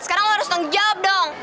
sekarang lo harus tanggung jawab dong